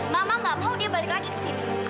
mama gak mau dia balik lagi ke sini